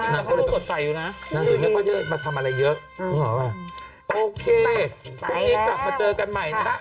นางก็รู้สดใสอยู่นะนางรู้ไม่ค่อยมาทำอะไรเยอะโอเคพรุ่งนี้กลับมาเจอกันใหม่นะฮะ